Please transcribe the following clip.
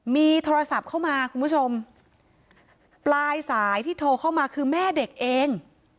มีโทรศัพท์เข้ามาคุณผู้ชมปลายสายที่โทรเข้ามาคือแม่เด็กเอง